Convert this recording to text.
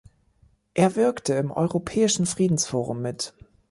Er wirkte im "Europäischen Friedens-Forum" mit.